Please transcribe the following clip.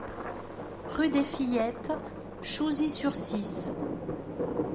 Rue des Fillettes, Chouzy-sur-Cisse